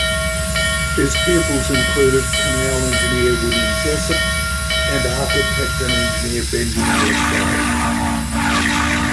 His pupils included canal engineer William Jessop and architect and engineer Benjamin Latrobe.